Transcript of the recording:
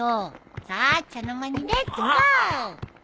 さあ茶の間にレッツゴー！